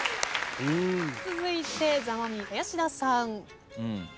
続いてザ・マミィ林田さん。